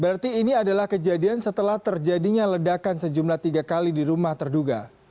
berarti ini adalah kejadian setelah terjadinya ledakan sejumlah tiga kali di rumah terduga